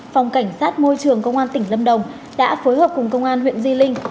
phòng cảnh sát môi trường công an tỉnh lâm đồng đã phối hợp cùng công an huyện di linh